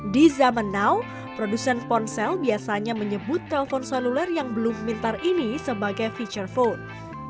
di zaman now produsen ponsel biasanya menyebut telpon seluler yang belum pintar ini sebagai feature phone